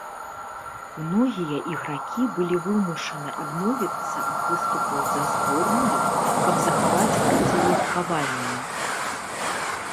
Многія ігракі былі вымушаны адмовіцца ад выступаў за зборную, каб захаваць працаўладкаванне.